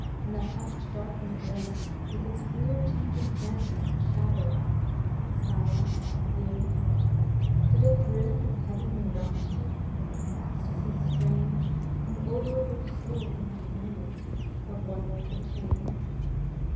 In the hushed, darkened room, With its weird changing phantoms and shadows. Its silence and gloom, — 125 SINCE SEPTEMBER. Did a thrill of heavenly rapture. Of ecstasy strange, Come over your soul in that moment Of wonderful change